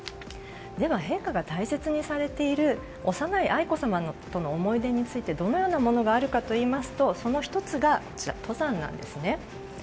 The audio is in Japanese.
では、陛下が大切にされている幼い愛子さまとの思い出についてどのようなものがあるかといいますとその１つが登山なんですね。